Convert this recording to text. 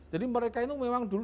jadi mereka itu memang dulu